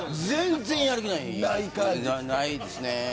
全然やる気ないですね。